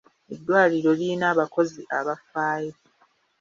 Eddwaliro lirina abakozi abafaayo.